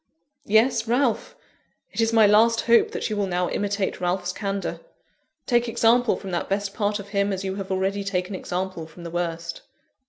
"Yes, Ralph. It is my last hope that you will now imitate Ralph's candour. Take example from that best part of him, as you have already taken example from the worst."